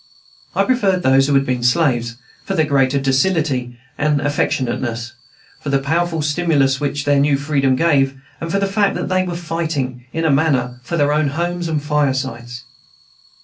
I preferred those who had been slaves, for their greater docility and affectionateness, for the powerful stimulus which their new freedom gave, and for the fact that they were fighting, in a manner, for their own homes and firesides.